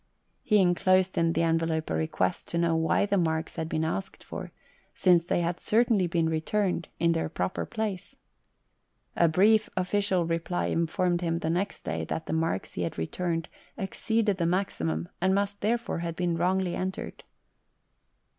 He enclosed in the envelope a request to know why the marks had LUBRIETTA. been asked for, since they had certainly been returned in their proper place. A brief official reply informed him next day that the marks he had returned exceeded the maximum, and must, therefore, have been wrongly entered.